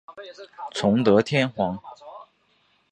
崇德天皇。